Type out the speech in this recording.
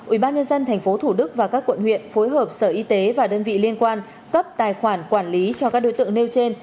ủy ban nhân dân tp hcm và các quận huyện phối hợp sở y tế và đơn vị liên quan cấp tài khoản quản lý cho các đối tượng nêu trên